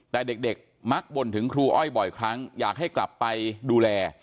แต่เด็กมักบ่นถึงครูอ้อยบ่อยครั้งอยากให้กลับไปดูแล